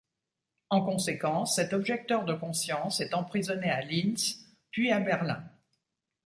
En conséquence, cet objecteur de conscience est emprisonné à Linz, puis à Berlin.